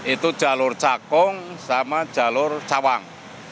itu jalur cakung sama jalur cawang